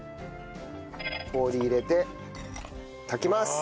氷入れて炊きます。